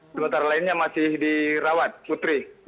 sementara lainnya masih dirawat putri